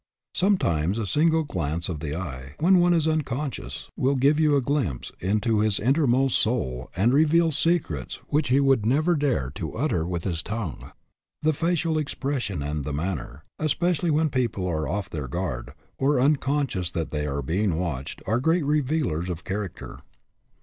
Sometimes a single glance of the eye, when one is unconscious, will give you a 200 SIZING UP PEOPLE glimpse into his innermost soul and reveal secrets which he would never dare to utter with his tongue. The facial expression and the manner, especially when people are off their guard, or unconscious that they are being watched, are great revealers of character.